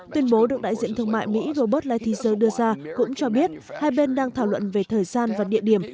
tuyên bố được đại diện thương mại mỹ robert lighthizer đưa ra cũng cho biết hai bên đang thảo luận về thời gian và địa điểm